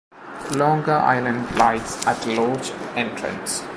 Longa Island lies at the loch's entrance.